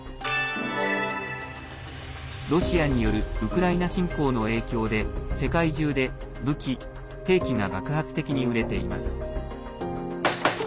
ロシアによるウクライナ侵攻の影響で世界中で武器・兵器が爆発的に売れています。